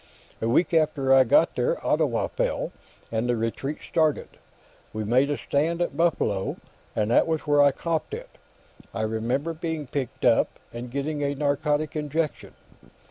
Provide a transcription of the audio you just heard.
A week after I got there, Ottawa fell, and the retreat started. We made a stand at Buffalo, and that was where I copped it. I remember being picked up, and getting a narcotic injection.